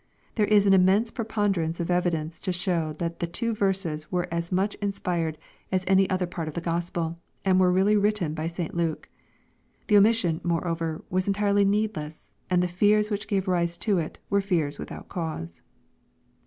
There is an immense prepond erance of evidence to show that the two verses were as much inspired as any other part of the Gospel, and were really written by Sl Luke. The omission, moreover, was entirely needless, and the fears which gave rise to it, were fears without cause.